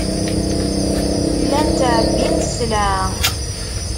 Llan ttɛebbin sselɛa.